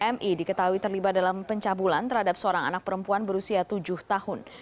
mi diketahui terlibat dalam pencabulan terhadap seorang anak perempuan berusia tujuh tahun